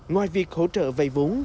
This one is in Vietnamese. ngoài việc hỗ trợ vay vốn